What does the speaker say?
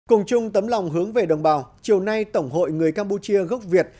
cùng chung tấm lòng hướng về đồng bào chiều nay tổng hội người campuchia gốc việt